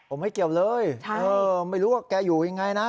ผมไม่เกี่ยวเลยไม่รู้ว่าแกอยู่ยังไงนะ